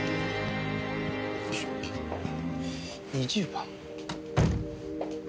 ２０番。